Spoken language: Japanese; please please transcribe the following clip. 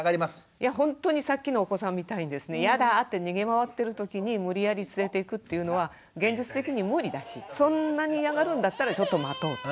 いやほんとにさっきのお子さんみたいにやだって逃げ回ってるときに無理やり連れていくっていうのは現実的に無理だしそんなに嫌がるんだったらちょっと待とうと。